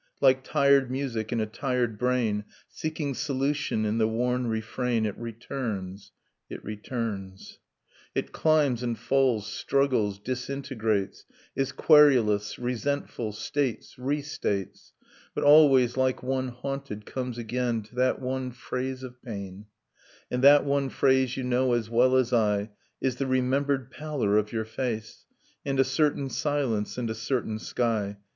Like tired music in a tired brain Seeking solution in the worn refrain ;> It returns, it returns. It climbs and falls, struggles, disintegrates, Is querulous, resentful, states, restates; But always, like one haunted, comes again To that one phrase of pain; And that one phrase, you know as well as I, Is the remembered pallor of your face ; And a certain silence, and a certain sky.